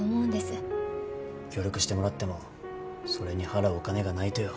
協力してもらってもそれに払うお金がないとよ。